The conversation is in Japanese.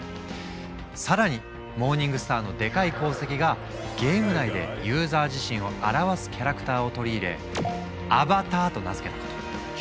更にモーニングスターのでかい功績がゲーム内でユーザー自身を表すキャラクターを取り入れアバターと名付けたこと。